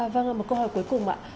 vâng một câu hỏi cuối cùng ạ